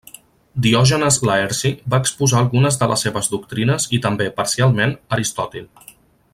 Diògenes Laerci va exposar algunes de les seves doctrines i també, parcialment, Aristòtil.